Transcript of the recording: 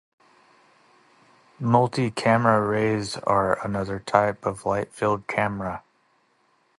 Multi-camera arrays are another type of light field camera.